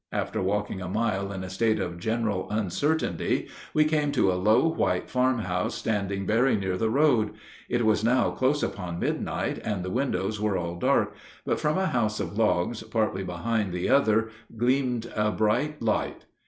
After walking a mile in a state of general uncertainty, we came to a low white farm house standing very near the road. It was now close upon midnight, and the windows were all dark; but from a house of logs, partly behind the other, gleamed a bright light.